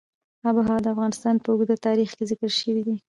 آب وهوا د افغانستان په اوږده تاریخ کې ذکر شوی دی.